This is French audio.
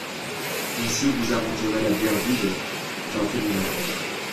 Ainsi vous arrangerez la bière vide ? J'en fais mon affaire.